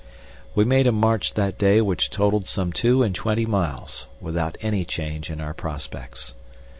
We made a march that day which totaled some two and twenty miles, without any change in our prospects.